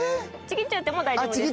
ちぎっちゃっても大丈夫です。